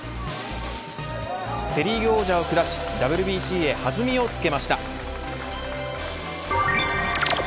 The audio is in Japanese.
セ・リーグを王者を下しＷＢＣへ弾みをつけました。